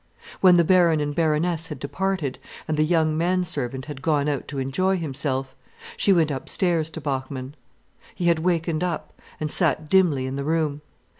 When the Baron and Baroness had departed, and the young man servant had gone out to enjoy himself, she went upstairs to Bachmann. He had wakened up, and sat dimly in the room.